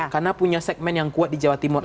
karena punya segmen yang kuat di jawa timur